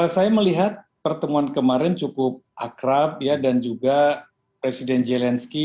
saya melihat pertemuan kemarin cukup akrab dan juga presiden zelensky